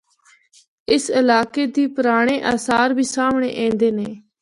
اس علاقے دی پرانڑے آثار بھی سامنڑے آندے نے۔